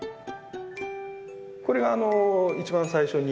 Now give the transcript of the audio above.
これがあの一番最初に。